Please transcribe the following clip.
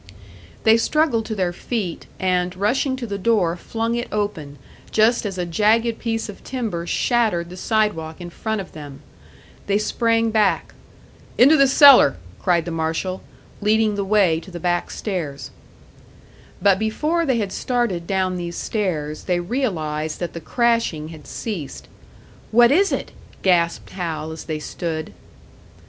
They struggled to their feet, and rushing to the door, flung it open, just as a jagged piece of timber shattered the side walk in front of them. They sprang back again, "Into the cellar!" cried the marshal, leading the way to the back stairs. But before they had started down these stairs, they realised that the crashing had ceased. "What is it?" gasped Hal, as they stood.